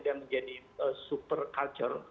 yang menjadi super culture